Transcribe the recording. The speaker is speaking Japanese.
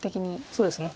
そうですね。